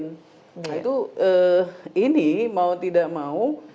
nah itu ini mau tidak mau